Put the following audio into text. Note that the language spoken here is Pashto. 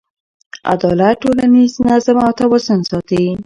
عدالت ټولنیز نظم او توازن ساتي.